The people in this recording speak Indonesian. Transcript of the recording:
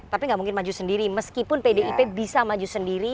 tapi nggak mungkin maju sendiri meskipun pdip bisa maju sendiri